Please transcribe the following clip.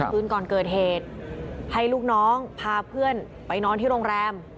คืนก่อนเกิดเหตุให้ลูกน้องพาเพื่อนไปนอนที่โรงแรม